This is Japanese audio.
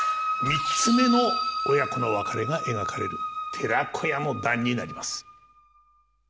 ３つ目の親子の別れが描かれる「寺子屋の段」になります。